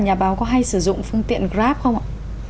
nhà báo có hay sử dụng phương tiện grab không ạ